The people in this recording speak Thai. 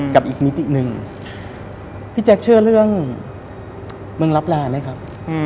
กับอีกมิติหนึ่งพี่แจ๊คเชื่อเรื่องเมืองรับแรร์ไหมครับ